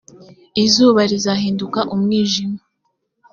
izuba rizahinduka umwijima